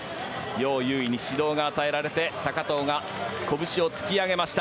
ヨウ・ユウイに指導が与えられて高藤が拳を突き上げました。